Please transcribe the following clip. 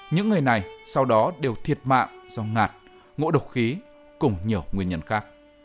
những người này sau đó đều thiệt mạng do ngạt ngộ độc khí cùng nhiều nguyên nhân khác